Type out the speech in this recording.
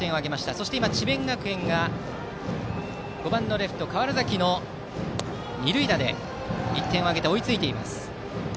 そして、智弁学園が５番のレフト川原崎の二塁打で１点を挙げて追いついています。